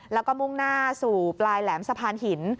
แล้วก็มุ่งหน้าสู่ปลายแหลมสะพานหิน